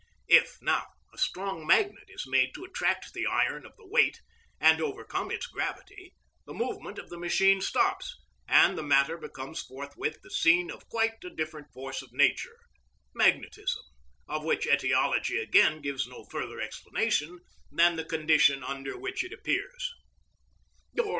If, now, a strong magnet is made to attract the iron of the weight, and overcome its gravity, the movement of the machine stops, and the matter becomes forthwith the scene of quite a different force of nature—magnetism, of which etiology again gives no further explanation than the condition under which it appears.